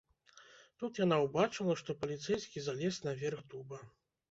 Тут яна ўбачыла, што паліцэйскі залез на верх дуба.